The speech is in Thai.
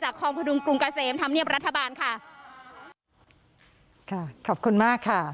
ขอบคุณมากค่ะ